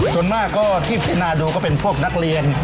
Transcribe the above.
ส่วนมากก็ที่พินาดูก็เป็นพวกนักเรียน